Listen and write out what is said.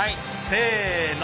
せの。